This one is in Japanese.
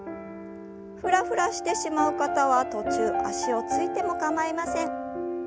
ふらふらしてしまう方は途中足をついても構いません。